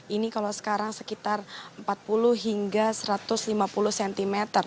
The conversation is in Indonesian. ini kalau sekarang sekitar empat puluh hingga satu ratus lima puluh cm